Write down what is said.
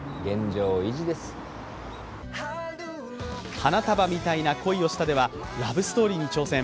「花束みたいな恋をした」ではラブストーリーに挑戦。